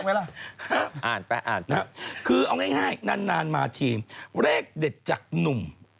พักไว้ล่ะอ่านไปอ่านไปคือเอาง่ายนานมาทีเลขเด็ดจากหนุ่ม